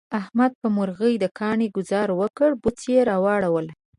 احمد په مرغی د کاڼي گذار وکړ، بوڅه یې را وړوله.